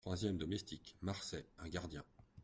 Troisième Domestique : Marsay Un Gardien .